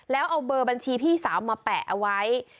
แล้วเอาเบอร์บัญชีพี่สาวมาแปะเอาไว้